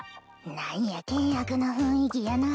何や険悪な雰囲気やなぁ